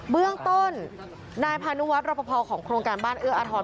เบื้องต้นนายพานุวัฒนรอปภของโครงการบ้านเอื้ออาทร